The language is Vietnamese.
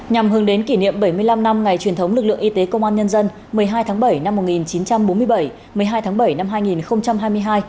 nhằm hướng đến kỷ niệm bảy mươi năm năm ngày truyền thống lực lượng y tế công an nhân dân một mươi hai tháng bảy năm một nghìn chín trăm bốn mươi bảy một mươi hai tháng bảy năm hai nghìn hai mươi hai